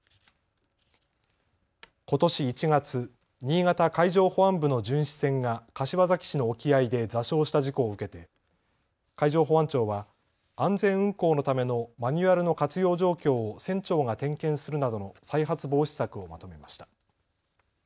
ことし１月、新潟海上保安部の巡視船が柏崎市の沖合で座礁した事故を受けて海上保安庁は安全運航のためのマニュアルの活用状況を船長が点検するなどの再発防止策をまとめました。